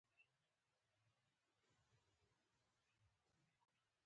د دې مړو ایرو په بڅرکیو کې.